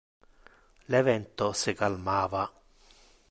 Le vento se calmava.